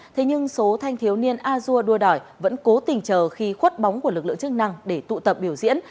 thế nhưng số thanh thiếu niên azure đua đỏi vẫn cố tình chờ khi khuất bóng của lực lượng chức năng để tụ tập biểu diễn